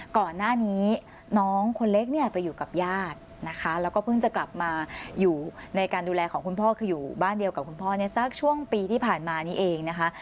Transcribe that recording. ก่อนหน้านี้น้องคนเล็กเนี่ยไปอยู่กับญาตินะคะแล้วก็เพิ่งจะกลับมาอยู่ในการดูแลของคุณพ่อคืออยู่บ้านเดียวกับคุณพ่อเนี่ยสักช่วงปีที่ผ่านมานี้เองนะคะ